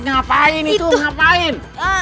ngapain itu ngapain